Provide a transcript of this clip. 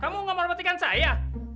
kamu nggak menghormatikan saya